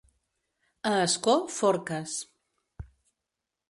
A Ascó, forques.